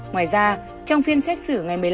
ngoài ra trong phiên xét xử ngày một mươi năm